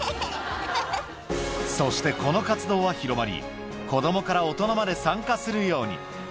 そしてこの活動は広まり、子どもから大人まで参加するように。